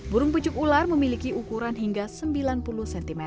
burung pucuk ular memiliki ukuran hingga sembilan puluh cm